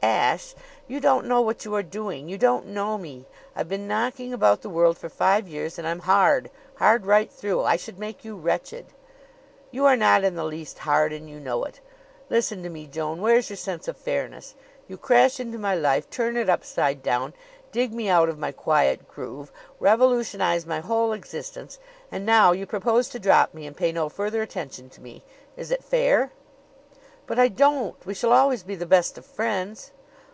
"Ashe, you don't know what you are doing. You don't know me. I've been knocking about the world for five years and I'm hard hard right through. I should make you wretched." "You are not in the least hard and you know it. Listen to me, Joan. Where's your sense of fairness? You crash into my life, turn it upside down, dig me out of my quiet groove, revolutionize my whole existence; and now you propose to drop me and pay no further attention to me. Is it fair?" "But I don't. We shall always be the best of friends."